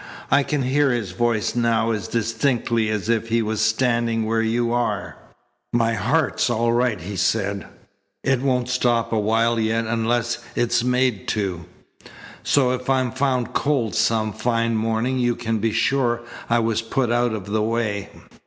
I can hear his voice now as distinctly as if he was standing where you are. "'My heart's all right,' he said. 'It won't stop awhile yet unless it's made to. So if I'm found cold some fine morning you can be sure I was put out of the way.'